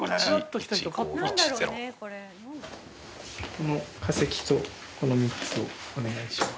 この化石とこの３つをお願いします。